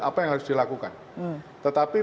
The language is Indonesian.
apa yang harus dilakukan tetapi